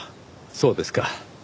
そうですか。